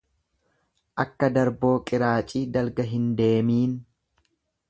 Akka darboo qiraacii dalga hin deemiin.